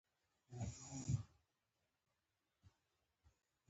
افغانستان د ولایتونو د ساتنې لپاره قوانین لري.